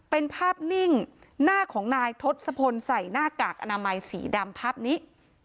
เป็นภาพนิ่งหน้าของนายทศพลใส่หน้ากากอนามัยสีดำภาพนี้